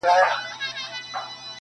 پاړوگر د مار له لاسه مري.